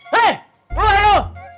hei keluar lo